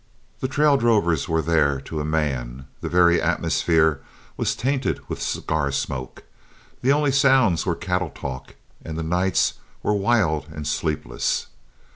The trail drovers were there to a man, the very atmosphere was tainted with cigar smoke, the only sounds were cattle talk, and the nights were wild and sleepless.